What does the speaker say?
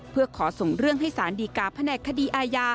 เพื่อขอส่งเรื่องให้สารดีกาแผนกคดีอาญา